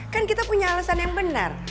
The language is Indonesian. kan kita punya alasan yang benar